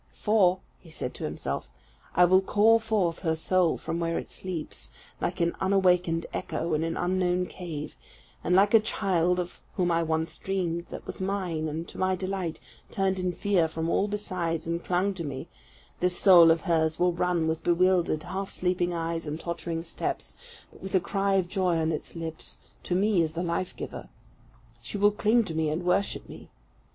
"For," said he to himself, "I will call forth her soul from where it sleeps, like an unawakened echo, in an unknown cave; and like a child, of whom I once dreamed, that was mine, and to my delight turned in fear from all besides, and clung to me, this soul of hers will run with bewildered, half sleeping eyes, and tottering steps, but with a cry of joy on its lips, to me as the life giver. She will cling to me and worship me.